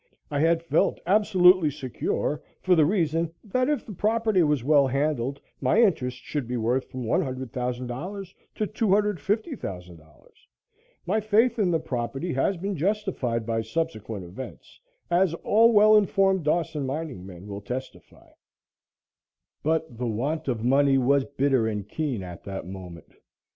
I had felt absolutely secure for the reason that if the property was well handled my interest should be worth from $100,000 to $250,000. My faith in the property has been justified by subsequent events, as all well informed Dawson mining men will testify. But the want of money was bitter and keen at that moment.